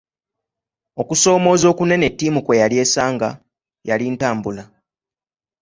Okusoomooza okunene ttiimu kwe yali esanga, yali ntambula.